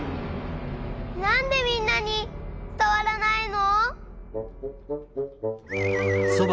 なんでみんなにつたわらないの！？